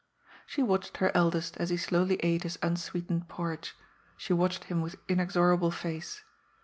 She watched her eldest as he slowly ate his unsweetened porridge, she watched him with inexorable face.